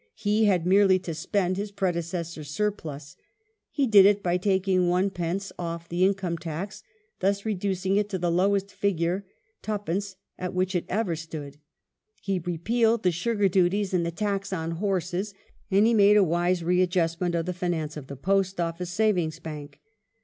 He had merely to spend his predecessor's surplus. He did it by taking Id. off the income tax — thus reducing it to the lowest figure — 2d. — at which it ever stood ; he i epealed the sugar duties and the tax on horses, and he made a wise readj ustment of the finance of the Post Office Savings Bank.